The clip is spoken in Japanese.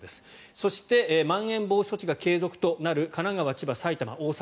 そして、まん延防止措置が継続となる神奈川、千葉、埼玉、大阪。